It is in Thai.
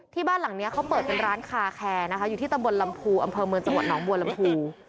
บ้านหลังนี้เขาเปิดเป็นร้านคาแคร์นะคะอยู่ที่ตำบลลำพูอำเภอเมืองจังหวัดหนองบัวลำพู